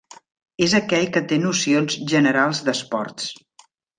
És aquell que té nocions generals d'esports.